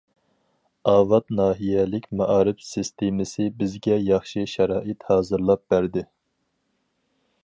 ئاۋات ناھىيەلىك مائارىپ سىستېمىسى بىزگە ياخشى شارائىت ھازىرلاپ بەردى.